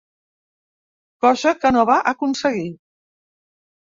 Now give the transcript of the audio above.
Cosa que no va aconseguir.